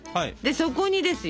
そこにですよ